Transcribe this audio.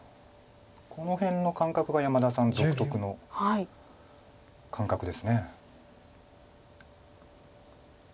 この辺の感覚が山田さん独特の感覚です。